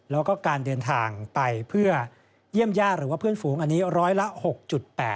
แล้วก็การเดินทางไปเพื่อเยี่ยมญาติหรือว่าเพื่อนฝูงอันนี้ร้อยละ๖๘